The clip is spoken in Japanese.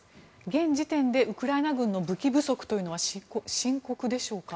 現時点でウクライナ軍の武器不足というのは深刻でしょうか。